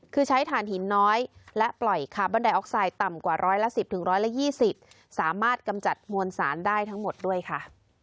คือใช้ฐานหินน้อยและปล่อยคาร์บอนไดออกไซด์ต่ำกว่าร้อยละ๑๐๑๒๐สามารถกำจัดมวลสารได้ทั้งหมดด้วยค่ะ